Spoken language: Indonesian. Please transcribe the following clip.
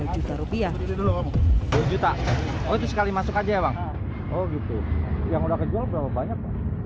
dua juta rupiah itu sekali masuk aja ya bang oh gitu yang udah kejual berapa banyak